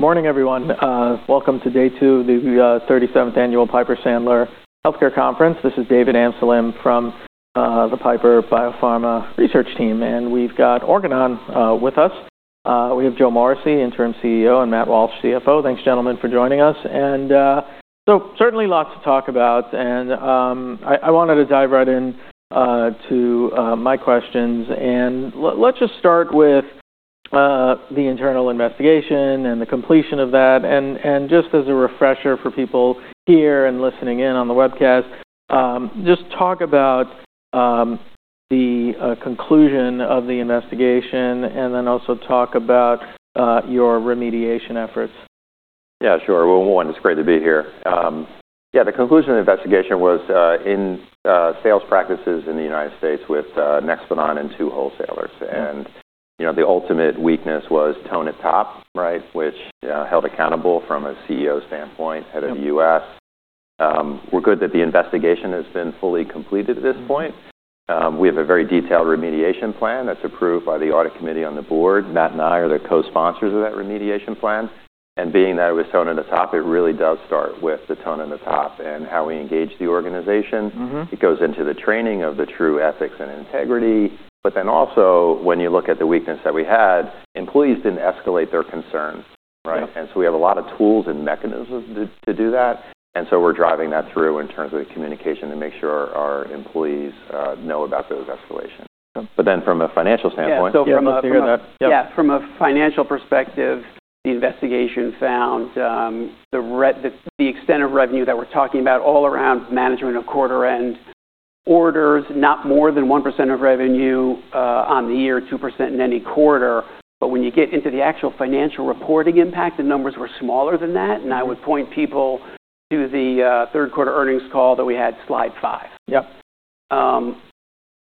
Morning, everyone. Welcome to day two of the 37th Annual Piper Sandler Healthcare Conference. This is David Amsellem from the Piper Biopharma Research Team, and we've got Organon with us. We have Joe Morrissey, Interim CEO, and Matt Walsh, CFO. Thanks, gentlemen, for joining us. And so certainly lots to talk about, and I wanted to dive right into my questions. And let's just start with the internal investigation and the completion of that. And just as a refresher for people here and listening in on the webcast, just talk about the conclusion of the investigation and then also talk about your remediation efforts. Yeah, sure. Well, one, it's great to be here. Yeah, the conclusion of the investigation was in sales practices in the United States with Nexplanon and two wholesalers. And you know, the ultimate weakness was tone at the top, right, which held accountable from a CEO standpoint, head of the U.S. We're glad that the investigation has been fully completed at this point. We have a very detailed remediation plan that's approved by the audit committee on the board. Matt and I are the co-sponsors of that remediation plan. And being that it was tone at the top, it really does start with the tone at the top and how we engage the organization. It goes into the training of the true ethics and integrity. But then also, when you look at the weakness that we had, employees didn't escalate their concerns, right? And so we have a lot of tools and mechanisms to do that. And so we're driving that through in terms of the communication to make sure our employees know about those escalations. But then from a financial standpoint, I'm happy to hear that. Yeah, so from a financial perspective, the investigation found the extent of revenue that we're talking about all around management of quarter-end orders, not more than 1% of revenue on the year, 2% in any quarter. But when you get into the actual financial reporting impact, the numbers were smaller than that. And I would point people to the third quarter earnings call that we had, slide five. Yep.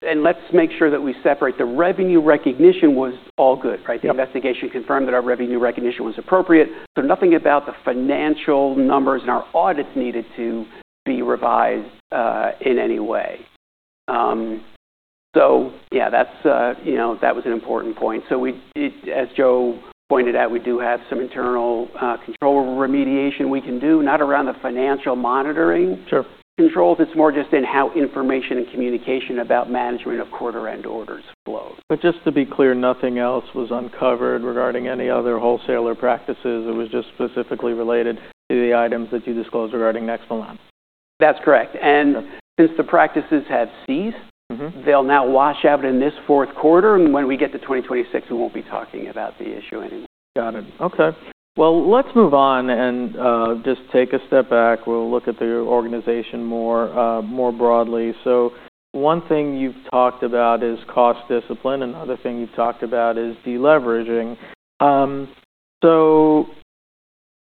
And let's make sure that we separate the revenue recognition was all good, right? The investigation confirmed that our revenue recognition was appropriate. So nothing about the financial numbers and our audits needed to be revised, in any way, so yeah, that's, you know, that was an important point, so we, as Joe pointed out, we do have some internal control remediation we can do, not around the financial monitoring. Sure. Controls. It's more just in how information and communication about management of quarter-end orders flows. But just to be clear, nothing else was uncovered regarding any other wholesaler practices. It was just specifically related to the items that you disclosed regarding Nexplanon. That's correct. And since the practices have ceased, they'll now wash out in this fourth quarter. And when we get to 2026, we won't be talking about the issue anymore. Got it. Okay. Well, let's move on and just take a step back. We'll look at the organization more, more broadly. So one thing you've talked about is cost discipline. Another thing you've talked about is deleveraging, so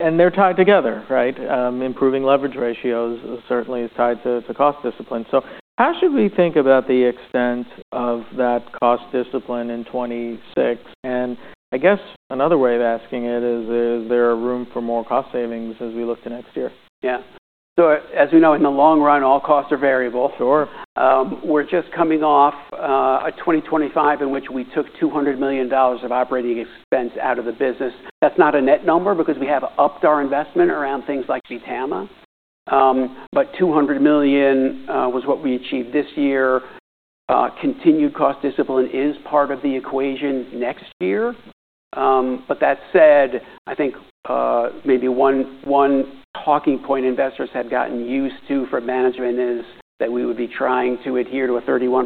and they're tied together, right? Improving leverage ratios certainly is tied to cost discipline. So how should we think about the extent of that cost discipline in 2026? And I guess another way of asking it is, is there a room for more cost savings as we look to next year? Yeah. As we know, in the long run, all costs are variable. Sure. We're just coming off a 2025 in which we took $200 million of operating expense out of the business. That's not a net number because we have upped our investment around things like Vtama. But $200 million was what we achieved this year. Continued cost discipline is part of the equation next year. But that said, I think maybe one talking point investors had gotten used to for management is that we would be trying to adhere to a 31%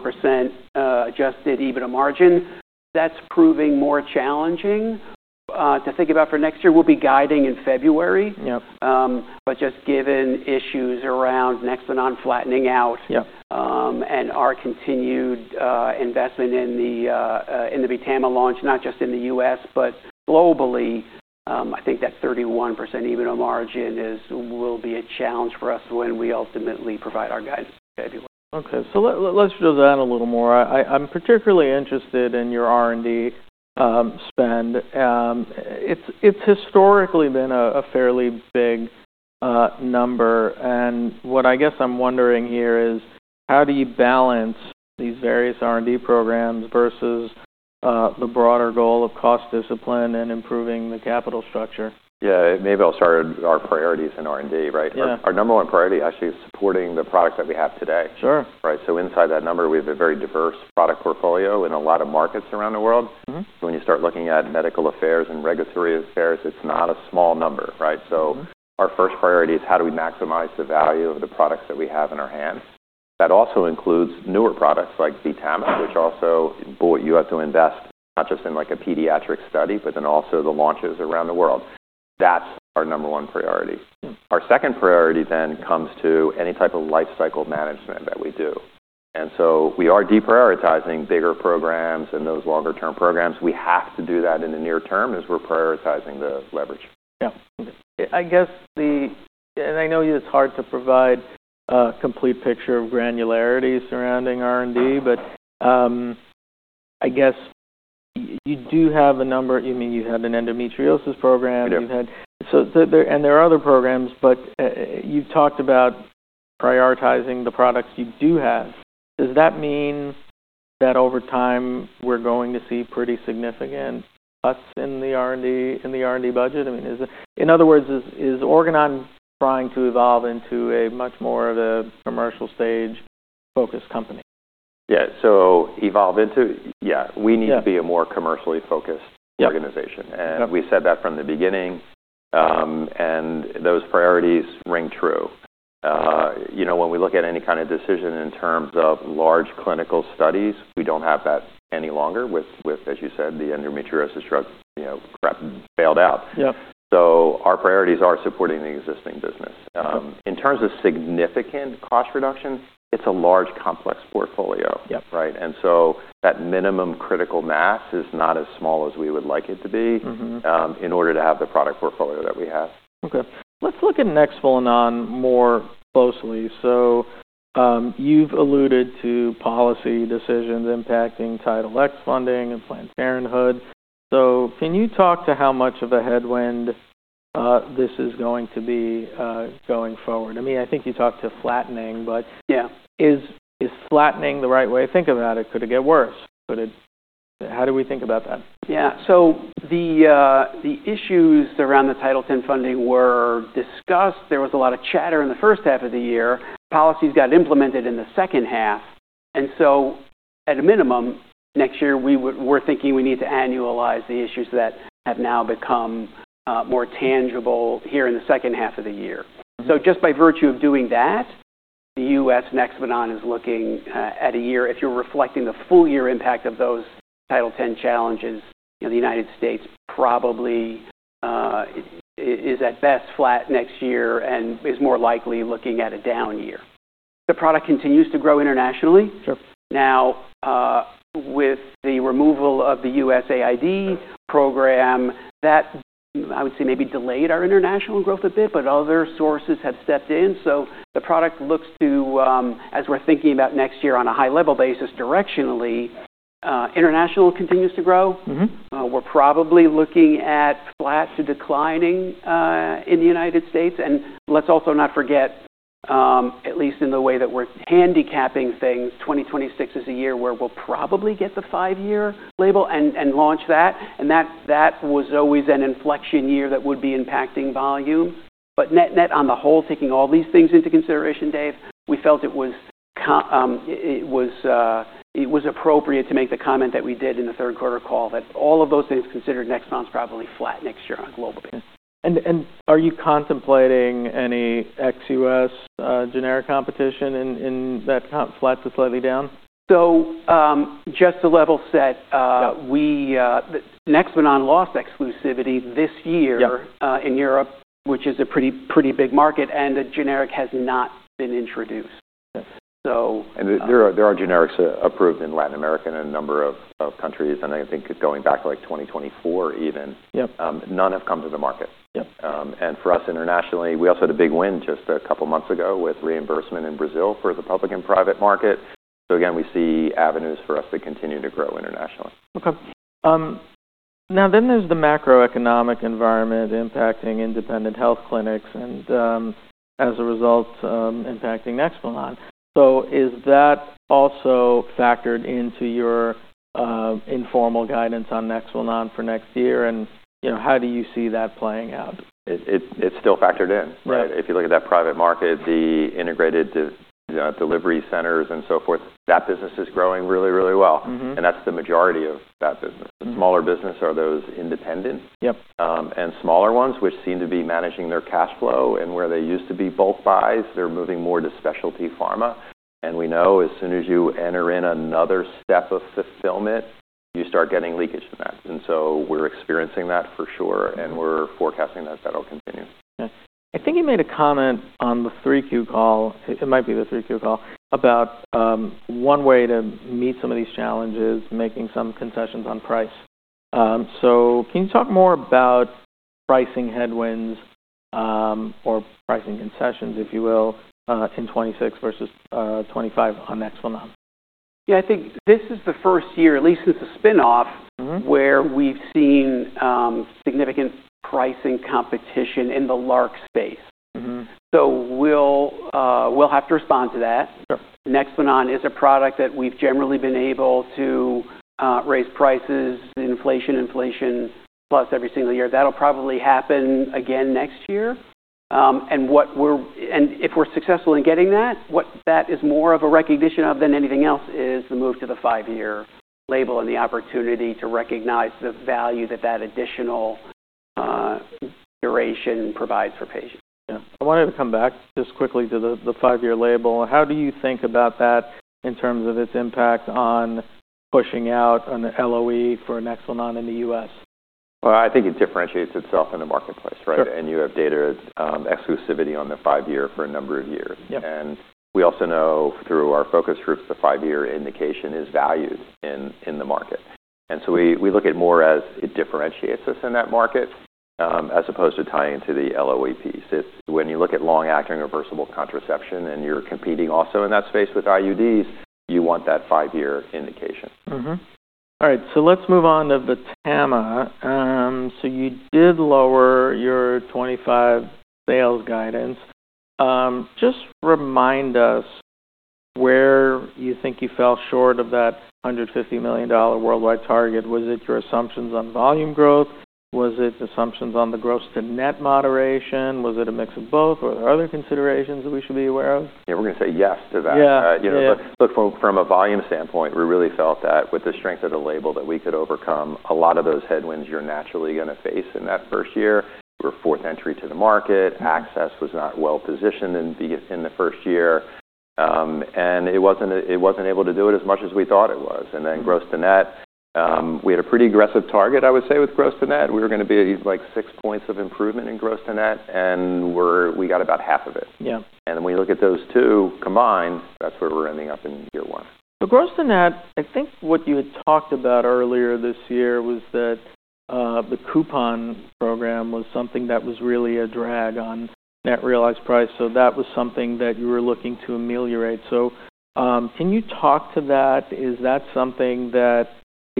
adjusted EBITDA margin. That's proving more challenging to think about for next year. We'll be guiding in February. Yep. but just given issues around Nexplanon flattening out. Yep. And our continued investment in the Vtama launch, not just in the U.S., but globally, I think that 31% EBITDA margin is, will be a challenge for us when we ultimately provide our guidance in February. Okay. So let's drill down a little more. I'm particularly interested in your R&D spend. It's historically been a fairly big number. And what I guess I'm wondering here is how do you balance these various R&D programs versus the broader goal of cost discipline and improving the capital structure? Yeah. Maybe I'll start at our priorities in R&D, right? Sure. Our number one priority actually is supporting the product that we have today. Sure. Right. So inside that number, we have a very diverse product portfolio in a lot of markets around the world. Mm-hmm. When you start looking at medical affairs and regulatory affairs, it's not a small number, right? So our first priority is how do we maximize the value of the products that we have in our hands? That also includes newer products like Vtama, which also, you have to invest not just in like a pediatric study, but then also the launches around the world. That's our number one priority. Our second priority then comes to any type of lifecycle management that we do. And so we are deprioritizing bigger programs and those longer-term programs. We have to do that in the near term as we're prioritizing the leverage. Yeah. I guess, and I know it's hard to provide a complete picture of granularity surrounding R&D, but, I guess you do have a number. You mean you had an endometriosis program. I did. You've talked about prioritizing the products you do have. Does that mean that over time we're going to see pretty significant cuts in the R&D budget? I mean, in other words, is Organon trying to evolve into a much more of a commercial-stage-focused company? Yeah. So, evolve into, yeah, we need to be a more commercially focused organization. Yep. We said that from the beginning, and those priorities ring true. You know, when we look at any kind of decision in terms of large clinical studies, we don't have that any longer with, as you said, the endometriosis drug, you know, failed out. Yep. So our priorities are supporting the existing business. In terms of significant cost reduction, it's a large complex portfolio. Yep. Right? And so, that minimum critical mass is not as small as we would like it to be. Mm-hmm. In order to have the product portfolio that we have. Okay. Let's look at Nexplanon more closely. So, you've alluded to policy decisions impacting Title X funding and Planned Parenthood. So can you talk to how much of a headwind this is going to be, going forward? I mean, I think you talked to flattening, but. Yeah. Is flattening the right way? Think about it. Could it get worse? How do we think about that? Yeah. So the issues around the Title X funding were discussed. There was a lot of chatter in the first half of the year. Policies got implemented in the second half. So at a minimum, next year, we're thinking we need to annualize the issues that have now become more tangible here in the second half of the year. So just by virtue of doing that, the U.S. and Nexplanon is looking at a year, if you're reflecting the full year impact of those Title X challenges, you know, the United States probably is at best flat next year and is more likely looking at a down year. The product continues to grow internationally. Sure. Now, with the removal of the USAID program, that, I would say, maybe delayed our international growth a bit, but other sources have stepped in. So the product looks to, as we're thinking about next year on a high-level basis directionally, international continues to grow. Mm-hmm. We're probably looking at flat to declining in the United States. And let's also not forget, at least in the way that we're handicapping things, 2026 is a year where we'll probably get the five-year label and launch that. And that was always an inflection year that would be impacting volume. But net on the whole, taking all these things into consideration, Dave, we felt it was appropriate to make the comment that we did in the third quarter call that all of those things considered Nexplanon's probably flat next year on a global basis. Are you contemplating any ex-U.S. generic competition in that comp, flat to slightly down? Just to level set, Nexplanon lost exclusivity this year. Yeah. in Europe, which is a pretty, pretty big market, and the generic has not been introduced. Okay. So. And there are generics approved in Latin America and a number of countries, and I think going back like 2024 even. Yep. None have come to the market. Yep. And for us internationally, we also had a big win just a couple months ago with reimbursement in Brazil for the public and private market. So again, we see avenues for us to continue to grow internationally. Okay. Now then there's the macroeconomic environment impacting independent health clinics and, as a result, impacting Nexplanon. So is that also factored into your informal guidance on Nexplanon for next year? And, you know, how do you see that playing out? It's still factored in, right? Right. If you look at that private market, the integrated delivery centers and so forth, that business is growing really, really well. Mm-hmm. And that's the majority of that business. The smaller business are those independent. Yep. And smaller ones, which seem to be managing their cash flow and where they used to be bulk buys, they're moving more to specialty pharma. And we know as soon as you enter in another step of fulfillment, you start getting leakage in that. And so we're experiencing that for sure. And we're forecasting that that'll continue. Okay. I think you made a comment on the 3Q call. It might be the 3Q call about one way to meet some of these challenges, making some concessions on price. So can you talk more about pricing headwinds, or pricing concessions, if you will, in 2026 versus 2025 on Nexplanon? Yeah. I think this is the first year, at least it's a spinoff. Mm-hmm. Where we've seen significant pricing competition in the LARC space. Mm-hmm. So we'll have to respond to that. Sure. Nexplanon is a product that we've generally been able to raise prices, inflation plus every single year. That'll probably happen again next year and if we're successful in getting that, what that is more of a recognition of than anything else is the move to the five-year label and the opportunity to recognize the value that that additional duration provides for patients. Yeah. I wanted to come back just quickly to the five-year label. How do you think about that in terms of its impact on pushing out an LOE for Nexplanon in the U.S.? I think it differentiates itself in the marketplace, right? Sure. You have data exclusivity on the five-year for a number of years. Yep. We also know through our focus groups, the five-year indication is valued in the market. So we look at more as it differentiates us in that market, as opposed to tying to the LOE piece. It's when you look at long-acting reversible contraception and you're competing also in that space with IUDs, you want that five-year indication. Mm-hmm. All right. So let's move on to Vtama, so you did lower your 2025 sales guidance. Just remind us where you think you fell short of that $150 million worldwide target. Was it your assumptions on volume growth? Was it assumptions on the gross to net moderation? Was it a mix of both? Were there other considerations that we should be aware of? Yeah. We're going to say yes to that. Yeah. You know, look from a volume standpoint, we really felt that with the strength of the label that we could overcome a lot of those headwinds you're naturally going to face in that first year. We're fourth entry to the market. Access was not well positioned in the first year. And it wasn't able to do it as much as we thought it was. And then gross to net, we had a pretty aggressive target, I would say, with gross to net. We were going to be like six points of improvement in gross to net, and we got about half of it. Yeah. When you look at those two combined, that's where we're ending up in year one. So gross to net, I think what you had talked about earlier this year was that, the coupon program was something that was really a drag on net realized price. So that was something that you were looking to ameliorate. So, can you talk to that?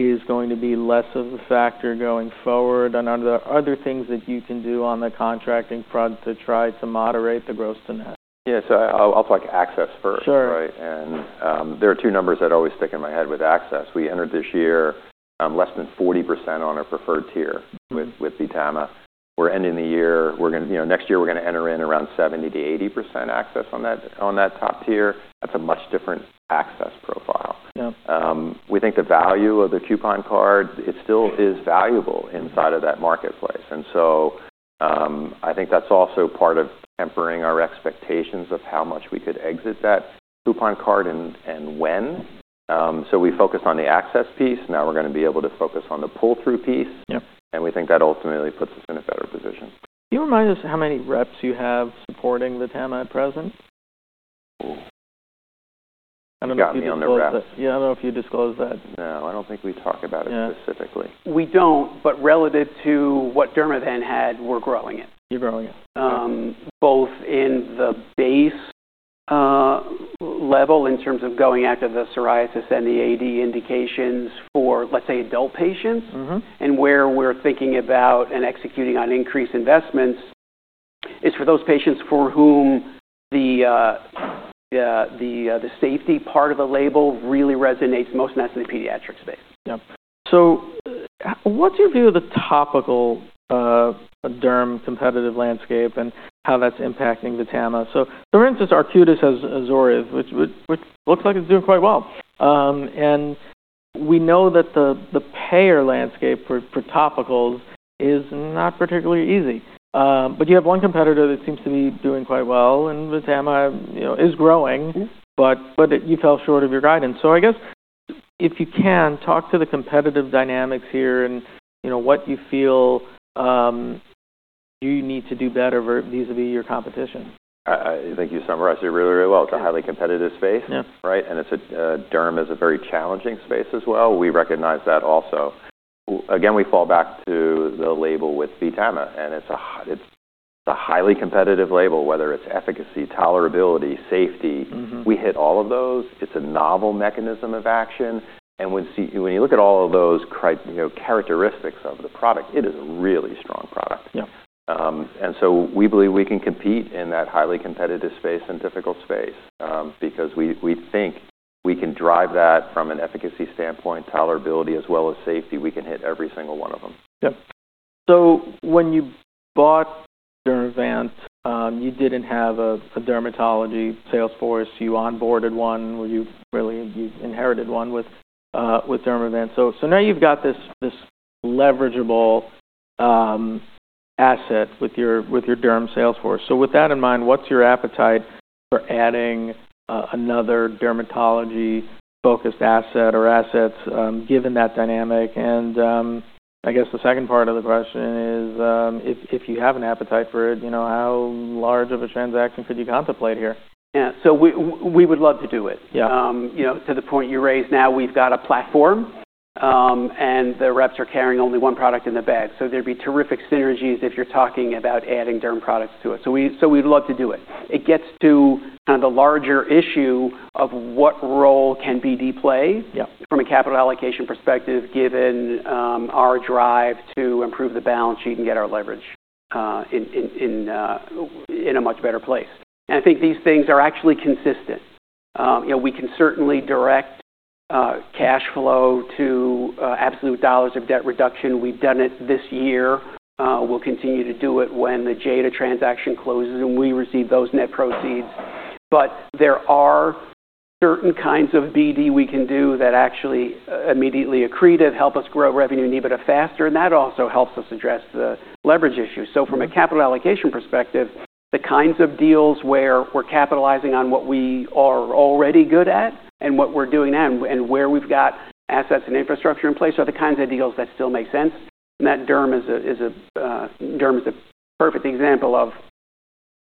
Is that something that is going to be less of a factor going forward? And are there other things that you can do on the contracting front to try to moderate the gross to net? Yeah. So I'll, I'll talk access first, right? Sure. There are two numbers that always stick in my head with access. We entered this year less than 40% on our preferred tier with Vtama. We're ending the year. We're going to, you know, next year we're going to enter in around 70%-80% access on that top tier. That's a much different access profile. Yep. We think the value of the coupon card. It still is valuable inside of that marketplace, and so I think that's also part of tempering our expectations of how much we could exit that coupon card and when, so we focused on the access piece. Now we're going to be able to focus on the pull-through piece. Yep. We think that ultimately puts us in a better position. Can you remind us how many reps you have supporting the Vtama at present? Ooh. I don't know if you disclosed that. Yeah. The underrate. Yeah. I don't know if you disclosed that. No. I don't think we talk about it specifically. We don't. But relative to what Dermot than had, we're growing it. You're growing it. both in the base level in terms of going after the psoriasis and the AD indications for, let's say, adult patients. Mm-hmm. Where we're thinking about and executing on increased investments is for those patients for whom the safety part of the label really resonates most, and that's in the pediatric space. Yep. So what's your view of the topical, derm competitive landscape and how that's impacting Vtama? So, for instance, Arcutis has Zoryve, which looks like it's doing quite well. And we know that the payer landscape for topicals is not particularly easy. But you have one competitor that seems to be doing quite well and Vtama, you know, is growing, but you fell short of your guidance. So I guess if you can talk to the competitive dynamics here and, you know, what you feel you need to do better vis-à-vis your competition. I think you summarized it really, really well. Yeah. It's a highly competitive space. Yeah. Right, and it's a derm, a very challenging space as well. We recognize that also. Again, we fall back to the label with Vtama, and it's a highly competitive label, whether it's efficacy, tolerability, safety. Mm-hmm. We hit all of those. It's a novel mechanism of action. And when you look at all of those characteristics of the product, you know, it is a really strong product. Yep. And so we believe we can compete in that highly competitive space and difficult space, because we think we can drive that from an efficacy standpoint, tolerability, as well as safety. We can hit every single one of them. Yep, so when you bought Dermavant, you didn't have a dermatology sales force. You onboarded one. Were you really? You inherited one with Dermavant? So now you've got this leverageable asset with your derm sales force, so with that in mind, what's your appetite for adding another dermatology-focused asset or assets, given that dynamic? And I guess the second part of the question is, if you have an appetite for it, you know, how large of a transaction could you contemplate here? Yeah, so we would love to do it. Yeah. You know, to the point you raised, now we've got a platform, and the reps are carrying only one product in the bag. So there'd be terrific synergies if you're talking about adding derm products to it. So we, so we'd love to do it. It gets to kind of the larger issue of what role can be deployed. Yep. From a capital allocation perspective, given our drive to improve the balance sheet and get our leverage in a much better place. And I think these things are actually consistent. You know, we can certainly direct cash flow to absolute dollars of debt reduction. We've done it this year. We'll continue to do it when the Jada transaction closes and we receive those net proceeds. But there are certain kinds of BD we can do that actually immediately accretive, help us grow revenue and EBITDA faster. And that also helps us address the leverage issue. So from a capital allocation perspective, the kinds of deals where we're capitalizing on what we are already good at and what we're doing now and where we've got assets and infrastructure in place are the kinds of deals that still make sense. That derm is a perfect example of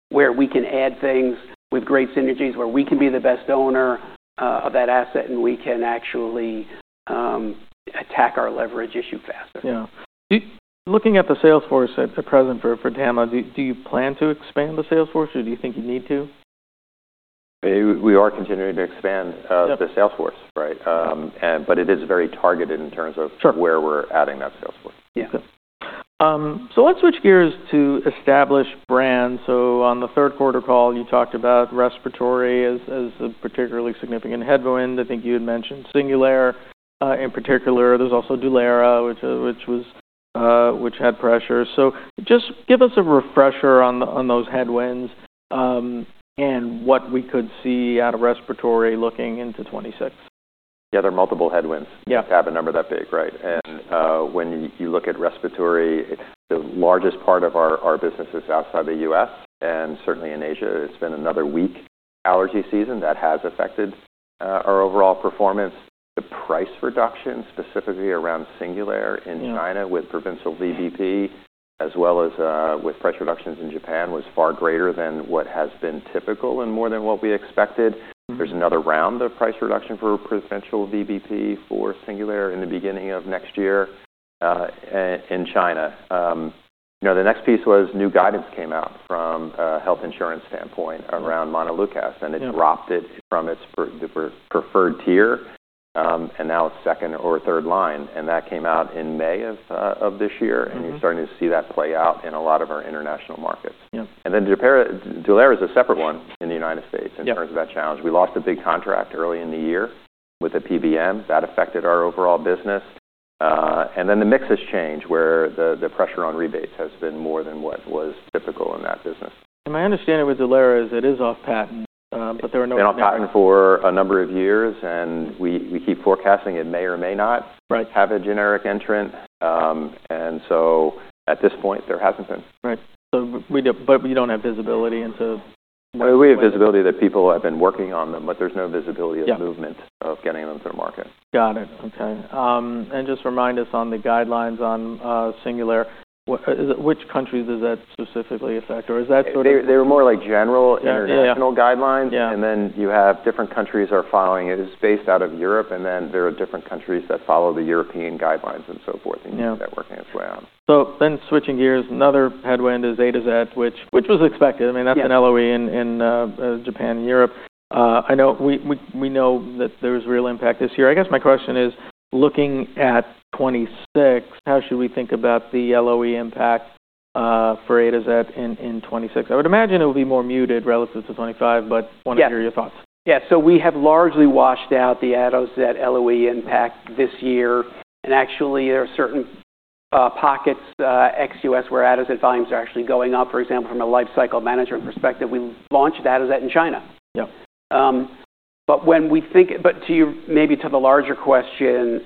where we can add things with great synergies, where we can be the best owner of that asset, and we can actually attack our leverage issue faster. Yeah. Do you, looking at the sales force at present for Vtama, do you plan to expand the sales force or do you think you need to? We are continuing to expand. Yep. The sales force, right? But it is very targeted in terms of. Sure. Where we're adding that sales force. Yeah. Yeah. Okay, so let's switch gears to established brands. So on the third quarter call, you talked about Respiratory as a particularly significant headwind. I think you had mentioned Singulair, in particular. There's also Dulera, which had pressure. So just give us a refresher on those headwinds, and what we could see out of Respiratory looking into 2026. Yeah. There are multiple headwinds. Yep. To have a number that big, right? And when you look at Respiratory, the largest part of our business is outside the U.S. and certainly in Asia. It's been another weak allergy season that has affected our overall performance. The price reduction specifically around Singulair in China. Mm-hmm. With provincial VBP as well as price reductions in Japan was far greater than what has been typical and more than what we expected. Mm-hmm. There's another round of price reduction for provincial VBP for Singulair in the beginning of next year, in China. You know, the next piece was new guidance came out from a health insurance standpoint around montelukast. Yep. It dropped it from its preferred tier, and now second or third line. That came out in May of this year. Mm-hmm. You're starting to see that play out in a lot of our international markets. Yep. And then Dulera, Dulera is a separate one in the United States. Yep. In terms of that challenge, we lost a big contract early in the year with a PBM. That affected our overall business, and then the mix has changed where the pressure on rebates has been more than what was typical in that business. My understanding with Dulera is it is off patent, but there are no patents. Been off patent for a number of years, and we keep forecasting it may or may not. Right. Have a generic entrant, and so at this point, there hasn't been. Right. So we do, but we don't have visibility into. We have visibility that people have been working on them, but there's no visibility of movement. Yep. Of getting them to the market. Got it. Okay. And just remind us on the guidelines on Singulair. What is it? Which countries does that specifically affect? Or is that sort of. They were more like general international guidelines. Yeah. Yeah. And then you have different countries are following it. It's based out of Europe. And then there are different countries that follow the European guidelines and so forth. Yeah. That working its way out. So then switching gears, another headwind is Atozet, which was expected. I mean, that's an LOE in Japan and Europe. I know we know that there's real impact this year. I guess my question is, looking at 2026, how should we think about the LOE impact for Atozet in 2026? I would imagine it would be more muted relative to 2025, but wanted to hear your thoughts. Yeah. Yeah. So we have largely washed out the Atozet LOE impact this year. And actually, there are certain pockets ex-U.S. where Atozet volumes are actually going up. For example, from a life cycle management perspective, we launched Atozet in China. Yep. But to your, maybe to the larger question,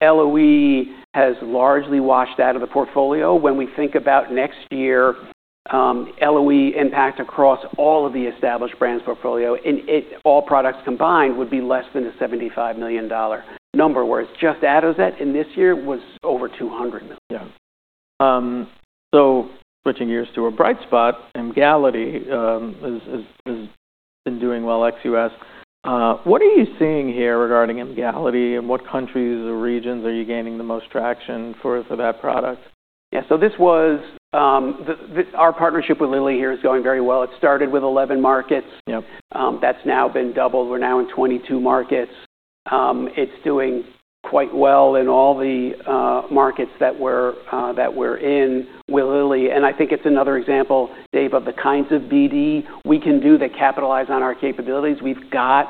LOE has largely washed out of the portfolio. When we think about next year, LOE impact across all of the established brands portfolio in it, all products combined would be less than a $75 million number, whereas just Atozet in this year was over $200 million. Yeah. So switching gears to a bright spot, Emgality has been doing well ex-U.S. What are you seeing here regarding Emgality? What countries or regions are you gaining the most traction for that product? Our partnership with Lilly is going very well. It started with 11 markets. Yep. That's now been doubled. We're now in 22 markets. It's doing quite well in all the markets that we're in with Lilly. And I think it's another example, Dave, of the kinds of BD we can do that capitalize on our capabilities. We've got,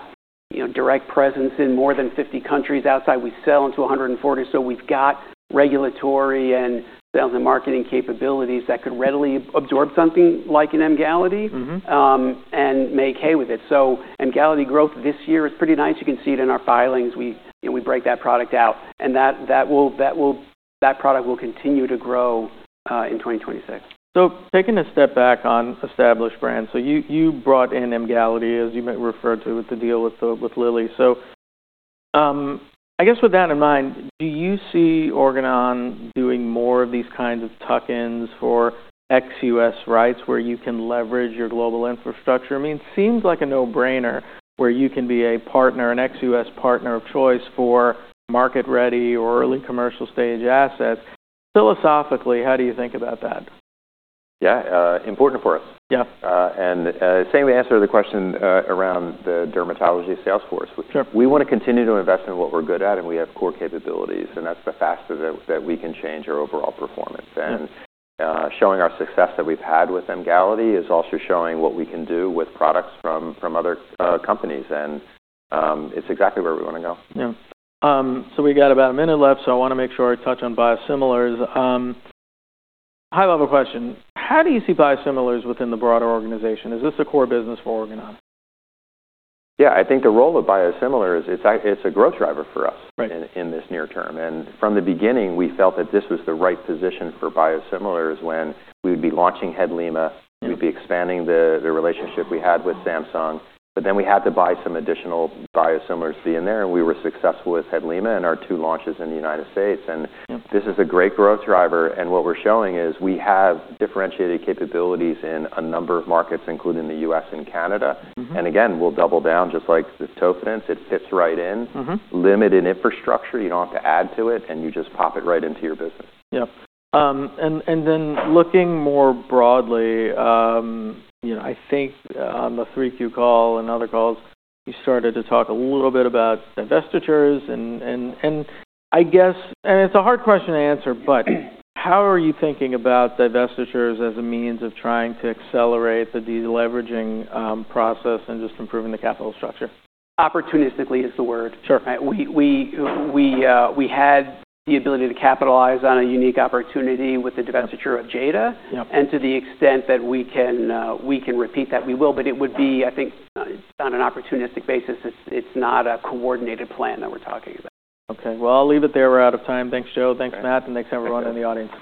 you know, direct presence in more than 50 countries outside. We sell into 140. So we've got regulatory and sales and marketing capabilities that could readily absorb something like an Emgality. Mm-hmm. And make hay with it. So Emgality growth this year is pretty nice. You can see it in our filings. We, you know, we break that product out. And that will, that product will continue to grow in 2026. So taking a step back on established brands, you brought in Emgality, as you may refer to, with the deal with Lilly. So, I guess with that in mind, do you see Organon doing more of these kinds of tuck-ins for ex-U.S. rights where you can leverage your global infrastructure? I mean, it seems like a no-brainer where you can be a partner, an ex-U.S. partner of choice for market-ready or early commercial stage assets. Philosophically, how do you think about that? Yeah. Important for us. Yep. And, same answer to the question, around the dermatology sales force. Sure. We want to continue to invest in what we're good at, and we have core capabilities. That's the fastest that we can change our overall performance. Showing our success that we've had with Emgality is also showing what we can do with products from other companies. It's exactly where we want to go. Yeah, so we got about a minute left, so I want to make sure I touch on biosimilars. High-level question. How do you see biosimilars within the broader organization? Is this a core business for Organon? Yeah. I think the role of biosimilars is, it's a, it's a growth driver for us. Right. In this near term. And from the beginning, we felt that this was the right position for biosimilars when we would be launching Hadlima. Yep. We'd be expanding the relationship we had with Samsung. But then we had to buy some additional biosimilars to be in there. And we were successful with Hadlima and our two launches in the United States. And. Yep. This is a great growth driver, and what we're showing is we have differentiated capabilities in a number of markets, including the U.S. and Canada. Mm-hmm. Again, we'll double down just like with Tofidence. It fits right in. Mm-hmm. Limited infrastructure. You don't have to add to it, and you just pop it right into your business. Yep. And then looking more broadly, you know, I think on the 3Q call and other calls, you started to talk a little bit about divestitures, and I guess, and it's a hard question to answer, but how are you thinking about divestitures as a means of trying to accelerate the deleveraging process and just improving the capital structure? Opportunistically is the word. Sure. We had the ability to capitalize on a unique opportunity with the divestiture of Jada. Yep. And to the extent that we can, we can repeat that, we will. But it would be, I think, on an opportunistic basis. It's not a coordinated plan that we're talking about. Okay. Well, I'll leave it there. We're out of time. Thanks, Joe. Thanks, Matt. Thank you. Thanks, everyone in the audience.